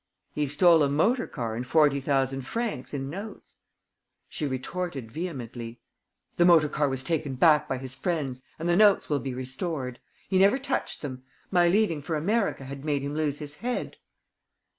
"He stole a motor car and forty thousand francs in notes." She retorted vehemently: "The motor car was taken back by his friends and the notes will be restored. He never touched them. My leaving for America had made him lose his head."